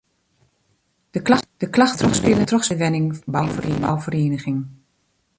De klachten binne trochspile nei de wenningbouferieniging.